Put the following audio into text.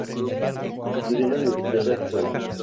Estudió en la Universidad de Arizona.